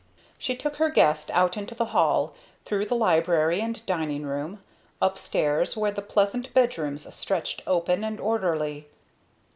She took her guest out into the hall, through the library and dining room, upstairs where the pleasant bedrooms stretched open and orderly.